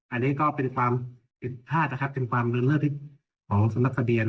อันนี้ก็เป็นความผิดพลาดนะครับเป็นความเดินเลิศที่ของสำนักทะเบียน